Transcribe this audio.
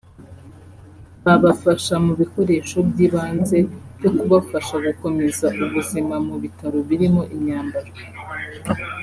babafasha mu bikoresho by’ibanze byo kubafasha gukomeza ubuzima mu bitaro birimo imyambaro